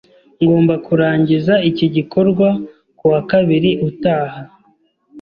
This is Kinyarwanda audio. Ngomba kurangiza iki gikorwa kuwa kabiri utaha.